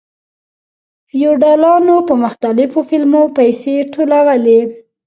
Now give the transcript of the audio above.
فیوډالانو په مختلفو پلمو پیسې ټولولې.